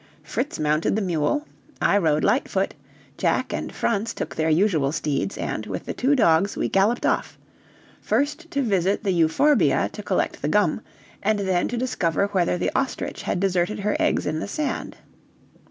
Fritz mounted the mule, I rode Lightfoot, Jack and Franz took their usual steeds, and, with the two dogs, we galloped off first to visit the euphorbia to collect the gum, and then to discover whether the ostrich had deserted her eggs in the sand.